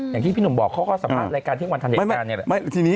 อย่างที่พี่หนุ่มบอกเขาก็สะพัดรายการเที่ยววันทันเหตุการณ์